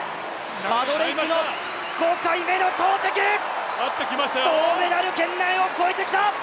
バドレイクの５回目の投てき、銅メダル圏内を超えてきた！